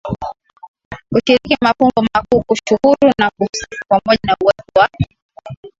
kushiriki mafumbo makuu kushukuru na kusifu pamoja na uwepo wa